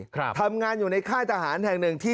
ทำงานอยู่ในค่ายทหารแห่งหนึ่งที่